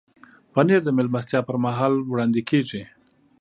پنېر د میلمستیا پر مهال وړاندې کېږي.